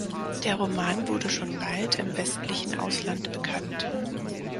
Der Roman wurde schon bald im westlichen Ausland bekannt.